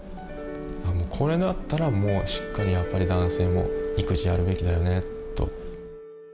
これだったらもうしっかりやっぱり男性も育児やるべきだよねと。